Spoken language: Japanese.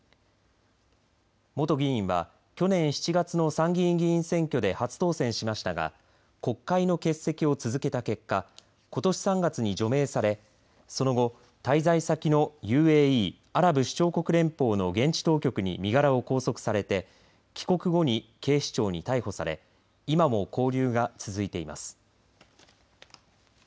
元議員は、去年７月の参議院議員選挙で初当選しましたが国会の欠席を続けた結果ことし３月に除名されその後、滞在先のＵＡＥ、アラブ首長国連邦の現地当局に身柄を拘束されて帰国後に警視庁に逮捕され今も勾留が続いています。